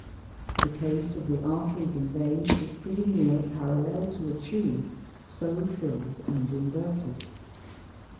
The Case of the Arteries and Veins is pretty near a parallel to a Tube, so fill'd and inverted.